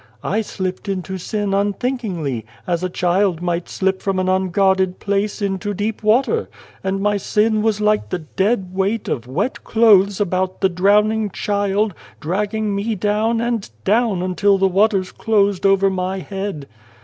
I slipt into sin unthinkingly, as a child might slip from an unguarded place into deep water ; and my sin was like the dead weight of wet clothes about the drowning child, dragging me down and down until the waters closed over my head.